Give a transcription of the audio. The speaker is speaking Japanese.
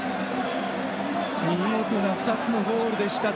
見事な２つのゴールでした。